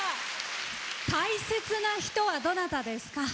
大切な人は、どなたですか？